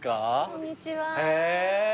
こんにちは。